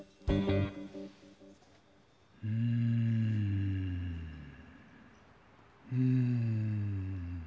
うんうん。